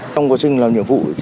trong quá trình làm nhiệm vụ